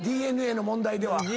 ＤＮＡの問題では。